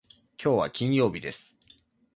きょうは金曜日です。